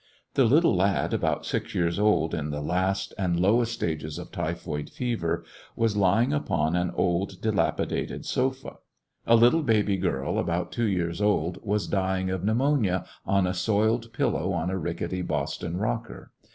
The little lad, ahont six years old, in the last and lowest stages of typhoid fever, was lying upon an old dilapidated sofa* A little baby girl, about two years oldj was dying of pneumonia on a soiled pillow on a rickety Boston rocker.